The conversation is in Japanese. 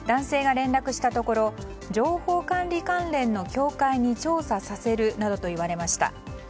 男性が連絡したところ情報管理関連の協会に調査させるなどと言われました。